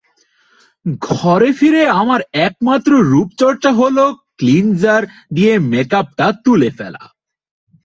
ঘরে ফিরে আমার একমাত্র রূপচর্চা হলো ক্লিনজার দিয়ে মেকআপটা তুলে ফেলা।